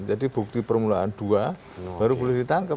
jadi bukti permulaan dua baru boleh ditangkep